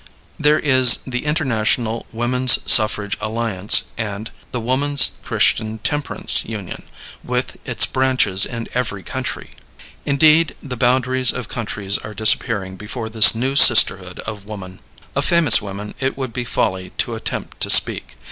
There is the International Woman's Suffrage Alliance and the Woman's Christian Temperance Union, with its branches in every country. Indeed the boundaries of countries are disappearing before this new sisterhood of woman. Of famous women it would be folly to attempt to speak.